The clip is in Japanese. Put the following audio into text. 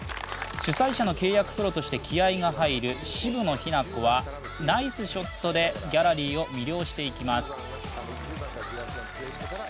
主催者の契約プロとして気合いが入る渋野日向子はナイスショットでギャラリーを魅了していきます。